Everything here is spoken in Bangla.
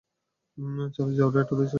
চলে যাও রেড, ওদের ছেড়ে দাও।